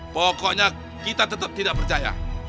pokoknya kita tetap tidak percaya